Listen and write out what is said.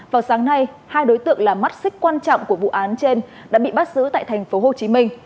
vào sáng nay hai đối tượng là mắt xích quan trọng của vụ án trên đã bị bắt giữ tại thành phố hồ chí minh